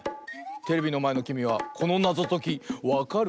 テレビのまえのきみはこのなぞときわかるかな？